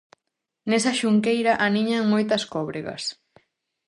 Nesa xunqueira aniñan moitas cóbregas.